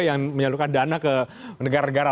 yang menyalurkan dana ke negara negara